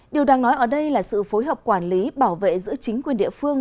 điều đang nói ở đây là sự phối hợp quản lý bảo vệ giữa chính quyền địa phương